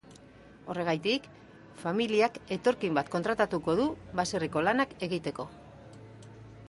Horregatik, familiak etorkin bat kontratatuko du baserriko lanak egiteko.